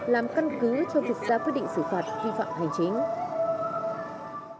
làm căn cứ cho việc ra quyết định xử phạt vi phạm hành chính